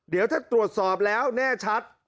เดี๋ยวถ้าตรวจสอบแล้วแน่ชัด